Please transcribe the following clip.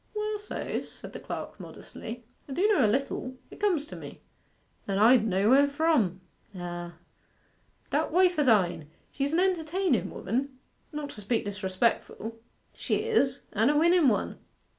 'Well so's,' said the clerk modestly. 'I do know a little. It comes to me.' 'And I d' know where from.' 'Ah.' 'That wife o' thine. She's an entertainen woman, not to speak disrespectful.' 'She is: and a winnen one.